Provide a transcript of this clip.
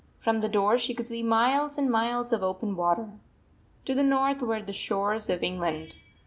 From the door she could see miles and miles of open water. To the north were the shores of England.